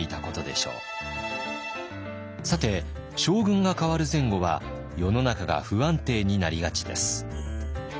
さて将軍が代わる前後は世の中が不安定になりがちです。